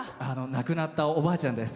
亡くなったおばあちゃんです。